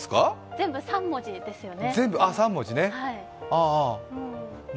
全部３文字ですよね。